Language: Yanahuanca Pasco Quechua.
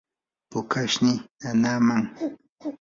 pukashnii nanaaman.